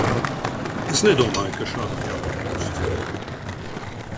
Es nedomāju, ka šādam jābūt mūsu ceļam.